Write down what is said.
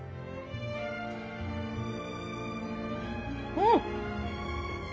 うん！